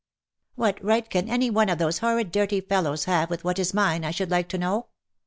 " What right can any one of these horrid dirty fellows have with what is mine, I should like to know?